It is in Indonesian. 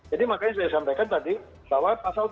jadi makanya saya sampaikan tadi bahwa pasal tiga